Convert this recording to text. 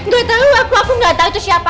gak tau aku aku gak tau itu siapa